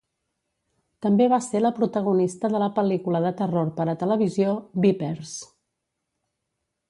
També va ser la protagonista de la pel·lícula de terror per a televisió "Vipers".